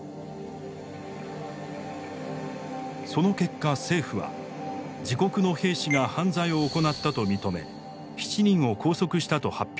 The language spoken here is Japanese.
その結果政府は自国の兵士が犯罪を行ったと認め７人を拘束したと発表。